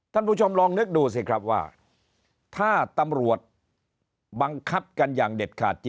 ท่านผู้ชมลองนึกดูสิครับว่าถ้าตำรวจบังคับกันอย่างเด็ดขาดจริง